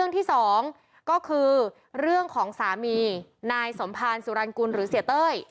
ต้องของสามีนายสมภารสุรรรคุณหรือเสียเต้ย